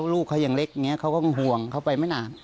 ลูกเขายังเล็กอย่างนี้เขาก็ห่วงเขาไปไม่นาน